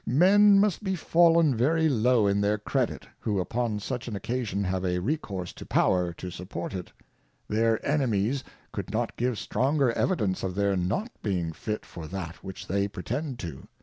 Men must be fallen very low in their Credit, who upon such an occasion have a recourse to Power to support it : Their Enemies could not give stronger Evidence of their not being fit for that which they pretend to.